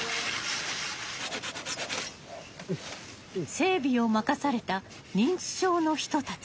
整備を任された認知症の人たち。